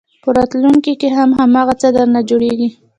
په راتلونکي کې هم هماغه څه درنه جوړېږي.